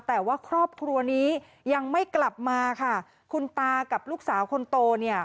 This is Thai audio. แต่ว่าครอบครัวนี้ยังไม่กลับมาค่ะคุณตากับลูกสาวคนโตเนี่ย